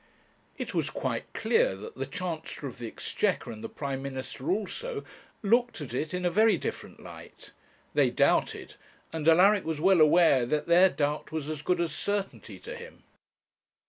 It was quite clear that the Chancellor of the Exchequer, and the Prime Minister also, looked at it in a very different light. They doubted, and Alaric was well aware that their doubt was as good as certainty to him.